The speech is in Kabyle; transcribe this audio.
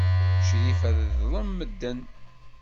Crifa teḍlem medden.